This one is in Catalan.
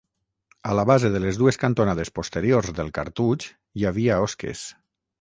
A la base de les dues cantonades posteriors del cartutx hi havia osques.